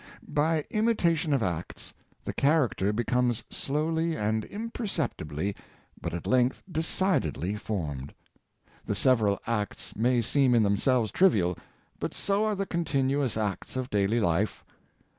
By imitation of acts, the character becomes slowiy and imperceptibly, but at length decidedly formed. The several acts may seem in themselves trivial; but so are the continuous acts of daily life.